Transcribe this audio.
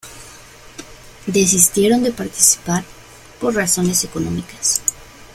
Desistieron de participar por razones económicas.